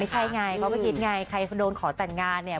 ไม่ใช่ไงเพราะว่าเมื่อกี้ไงใครโดนขอแต่งงานเนี่ย